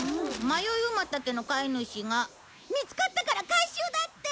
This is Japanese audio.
迷いウマタケの飼い主が見つかったから回収だって！